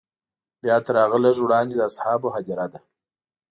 بیا تر هغه لږ وړاندې د اصحابو هدیره ده.